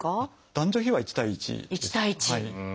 男女比は１対１です。